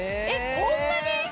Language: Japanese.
「えっこんなに？」